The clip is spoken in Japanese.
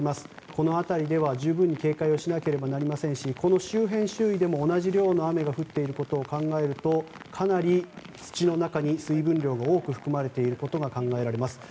この辺りでは十分に警戒をしなければなりませんしこの周辺・周囲でも同じ量の雨が降っていることを考えると、かなり土の中に水分が多く含まれていることが考えられます。